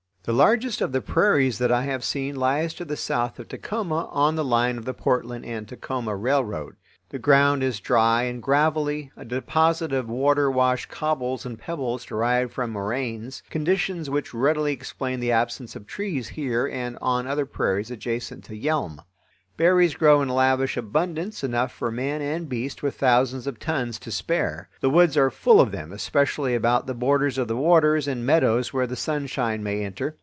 The largest of the prairies that I have seen lies to the south of Tacoma on the line of the Portland and Tacoma Railroad. The ground is dry and gravelly, a deposit of water washed cobbles and pebbles derived from moraines—conditions which readily explain the absence of trees here and on other prairies adjacent to Yelm. Berries grow in lavish abundance, enough for man and beast with thousands of tons to spare. The woods are full of them, especially about the borders of the waters and meadows where the sunshine may enter.